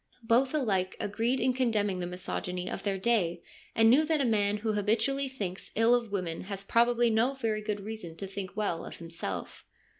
Both alike agreed in condemning the misogyny of their day and knew that a man who habitually thinks ill of women has probably no very good reason to think well of himself.